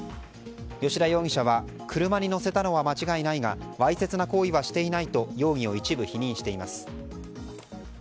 吉田容疑者は車に乗せたのは間違いないがわいせつな行為はしていないと容疑を一部否認しています。